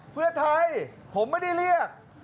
เพื่อไทยผมไม่ได้เรียก